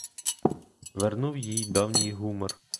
Вернув їй давній гумор.